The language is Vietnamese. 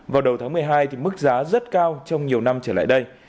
vào đầu tháng một mươi hai mức giá rất cao trong nhiều năm trở lại đây